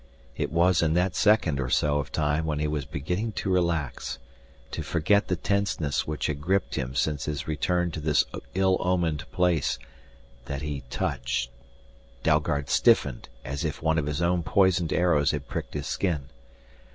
It was in that second or so of time when he was beginning to relax, to forget the tenseness which had gripped him since his return to this ill omened place, that he touched Dalgard stiffened as if one of his own poisoned arrows had pricked his skin.